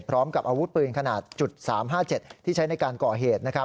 พร้อมกับอาวุธปืนขนาด๓๕๗ที่ใช้ในการก่อเหตุ